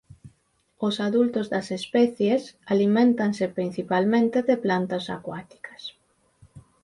Os adultos das especies aliméntanse principalmente de plantas acuáticas.